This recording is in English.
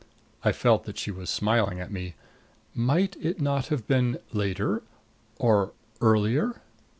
I felt that she was smiling at me. "Might it not have been later or earlier?"